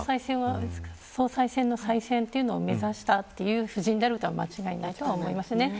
総裁選の再選を目指したという布陣であることは間違いないと思います。